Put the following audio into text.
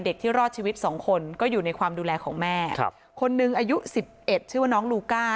ที่รอดชีวิตสองคนก็อยู่ในความดูแลของแม่คนหนึ่งอายุสิบเอ็ดชื่อว่าน้องลูก้า